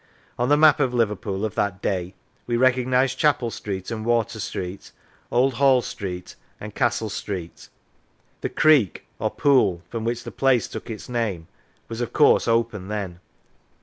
On the map of Liverpool of that day we recognise Chapel Street and Water Street, Old Hall Street, and Castle 99 Lancashire Street. The creek or " pool " from which the place took its name was of course open then.